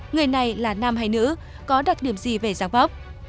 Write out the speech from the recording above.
người này là nam hay nữ có đặc điểm gì về giám vóc